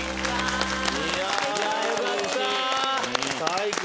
最高。